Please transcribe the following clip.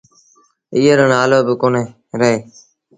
ايئي رو نآلو با ڪونهي رهي۔